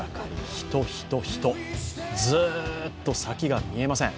人、人、人、ずっと先が見えません。